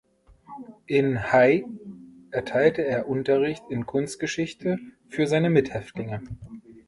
In Hay erteilte er Unterricht in Kunstgeschichte für seine Mithäftlinge.